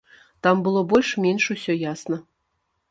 Там было больш-менш усё ясна.